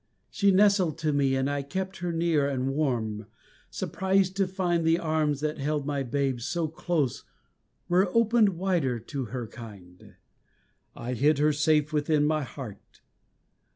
She nestled to me, and I kept her near and warm, surprised to find The arms that held my babe so close were opened wider to her kind. I hid her safe within my heart.